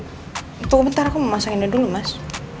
tunggu bentar aku mau pasangin dia dulu mas